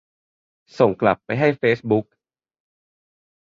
ส่งกลับไปให้เฟซบุ๊ก